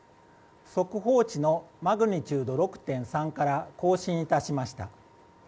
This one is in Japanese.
速報値のマグニチュード６．３から更新いたしました。